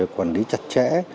quản lý chặt chẽ